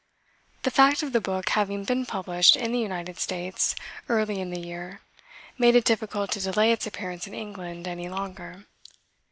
The fact of the book having been published in the United States early in the year made it difficult to delay its appearance in England any longer.